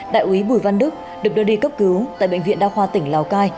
đại úy bùi văn đức được đưa đi cấp cứu tại bệnh viện đa khoa tỉnh lào cai